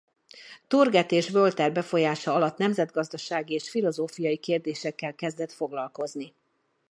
Turgot és Voltaire befolyása alatt nemzetgazdasági és filozófiai kérdésekkel kezdett foglalkozni.